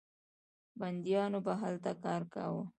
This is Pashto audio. بندیانو به هلته کار کاوه.